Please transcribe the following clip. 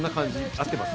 あってます？